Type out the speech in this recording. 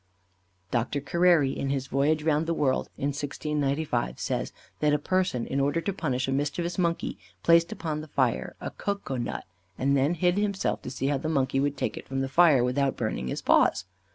Dr. Careri, in his Voyage round the World in 1695, says, that a person, in order to punish a mischievous monkey, placed upon the fire a cocoa nut, and then hid himself, to see how the monkey would take it from the fire without burning his paws.